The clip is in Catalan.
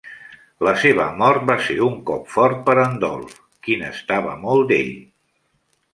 La seva mort va ser un cop fort per a en Dolf, qui n'estava molt, d'ell.